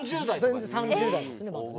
全然３０代ですねまだね。